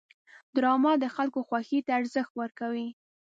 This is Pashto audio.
ډرامه د خلکو خوښې ته ارزښت ورکوي